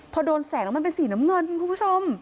พอโดนแสงแล้วมันเป็นสีน้ำเงินคุณผู้ชม